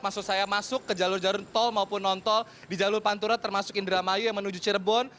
maksud saya masuk ke jalur jalur tol maupun non tol di jalur pantura termasuk indramayu yang menuju cirebon